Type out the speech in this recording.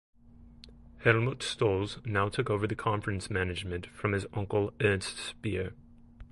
Helmuth Stolze now took over the conference management from his uncle Ernst Speer.